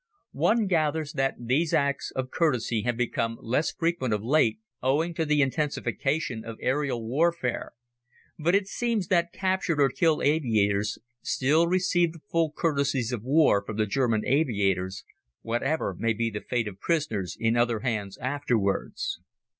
One gathers that these acts of courtesy have become less frequent of late, owing to the intensification of aerial warfare, but it seems that captured and killed aviators still receive the full courtesies of war from the German aviators, whatever may be the fate of prisoners in other hands afterwards.